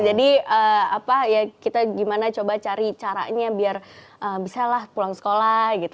jadi apa ya kita gimana cari caranya biar bisa lah pulang sekolah gitu